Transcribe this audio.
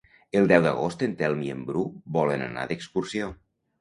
El deu d'agost en Telm i en Bru volen anar d'excursió.